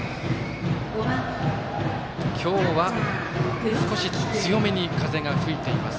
今日は少し強めに風が吹いています。